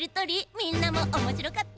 みんなもおもしろかった？